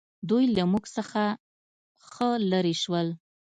دوی له موږ څخه ښه لرې شول.